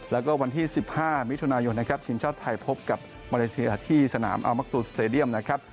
แล้วก็วันที่๑๕มิถุนายนนะครับทีมชาติไทยพบกับมาเลเซียที่สนามอัลมักตูสเตดียมนะครับ